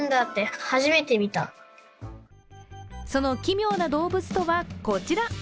その奇妙な動物とは、こちら。